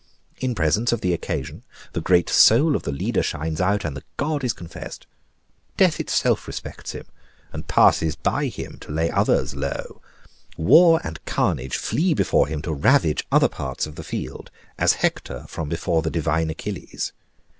In presence of the occasion, the great soul of the leader shines out, and the god is confessed. Death itself respects him, and passes by him to lay others low. War and carnage flee before him to ravage other parts of the field, as Hector from before the divine Achilles.